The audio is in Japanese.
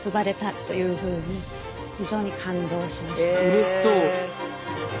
うれしそう。